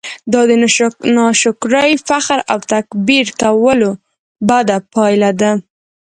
دا د ناشکرۍ، فخر او تکبير کولو بده پايله ده!